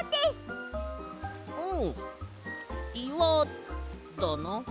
うんいわだな。